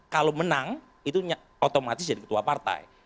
kalau menang itu otomatis jadi ketua partai